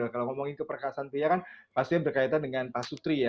kalau ngomongin keperkasaan pria kan pastinya berkaitan dengan pasutri ya